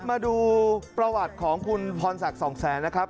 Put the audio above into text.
มาดูประวัติของคุณพรศักดิ์สองแสนนะครับ